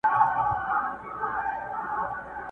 هر یوه خپل په وار راوړي بربادې وې دلته،